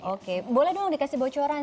oke boleh dong dikasih bocoran